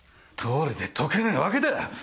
どうりで解けねえわけだ！